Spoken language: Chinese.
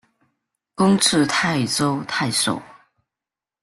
官至泰州太守。